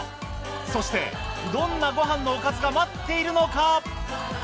そしてどんなご飯のおかずが待っているのか？